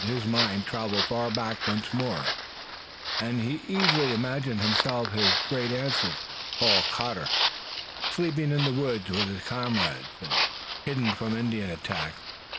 His mind traveled far back once more and he easily imagined himself his great ancestor, Paul Cotter, sleeping in the woods with his comrades and hidden from Indian attack.